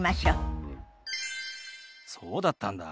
そうだったんだ。